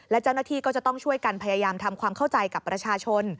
และเจ้าหน้าที่ก็จะต้องช่วยกันพยายามทำความเข้าใจกับประชาชน